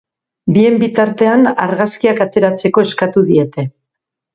Bien bitartean, argazkiak ateratzeko eskatu diete.